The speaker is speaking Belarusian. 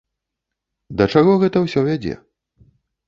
Да чаго гэта ўсё вядзе?